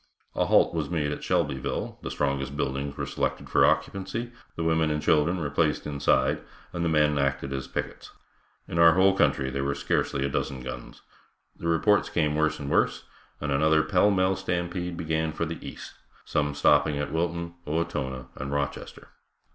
A halt was made at Shelbyville, the strongest buildings were selected for occupancy, the women and children were placed inside, and the men acted as pickets. In our whole country there were scarcely a dozen guns. The reports came worse and worse, and another pell mell stampede began for the east, some stopping at Wilton, Owatonna and Rochester.